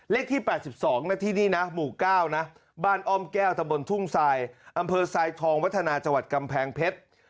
เลขที่๘๒นะที่นี่นะหมู่๙นะบ้านอ้อมแก้วตะบนทุ่งทรายอำเภอทรายทองวัฒนาจังหวัดกำแพงเพชร